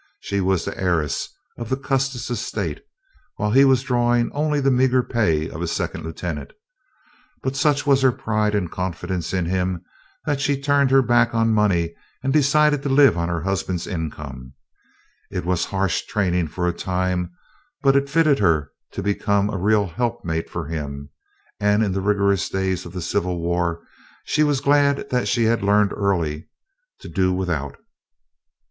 She was the heiress of the Custis estate, while he was drawing only the meager pay of a second lieutenant. But such was her pride and confidence in him, that she turned her back on money and decided to live on her husband's income. It was harsh training for a time, but it fitted her to become a real helpmeet for him; and in the rigorous days of the Civil War she was glad that she had learned early to "do without."